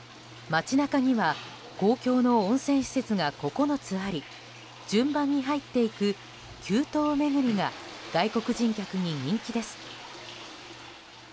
街中には公共の温泉施設が９つあり順番に入っていく九湯めぐりが外国人客に人気です。